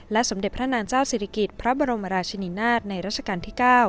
สมเด็จพระนางเจ้าศิริกิจพระบรมราชินินาศในราชการที่๙